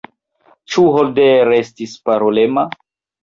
Ĉu Holder estis parolema?